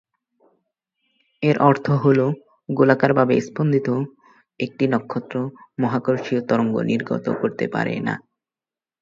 এর অর্থ হল, গোলাকারভাবে স্পন্দিত একটি নক্ষত্র মহাকর্ষীয় তরঙ্গ নির্গত করতে পারে না।